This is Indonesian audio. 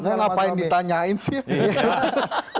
saya ngapain ditanyain sih